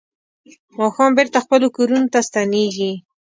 ماښام بېرته خپلو کورونو ته ستنېږي.